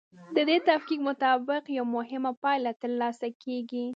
د دې تفکیک مطابق یوه مهمه پایله ترلاسه کیږي.